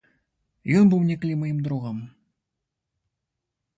Ён быў некалі маім другам.